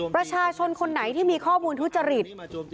ประชาชนคนไหนที่มีข้อมูลทุจริต